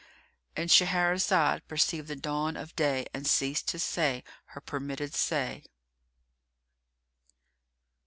——And Shahrazad perceived the dawn of day and ceased to say her permitted say.